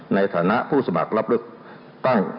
ในฐานะผู้สมัครรับเลือกตั้ง